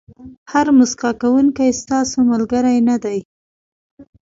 هر موسکا کوونکی ستاسو ملګری نه دی.